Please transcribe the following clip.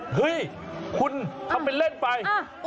เฮ้ยคุณทำเป็นเล่นไป